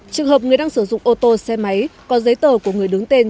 trường hợp người đang sử dụng ô tô xe máy có giấy tờ của người đứng tên